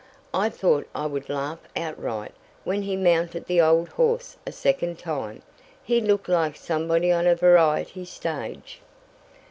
"I thought I would laugh outright when he mounted the old horse a second time. He looked like somebody on a variety stage."